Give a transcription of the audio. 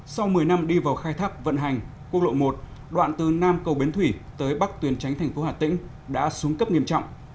sau một mươi năm đi vào khai thác vận hành quốc lộ một đoạn từ nam cầu bến thủy tới bắc tuyên tránh thành phố hà tĩnh đã xuống cấp nghiêm trọng